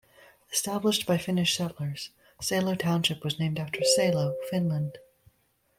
Established by Finnish settlers, Salo Township was named after Salo, Finland.